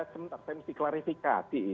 sebentar saya mesti klarifikasi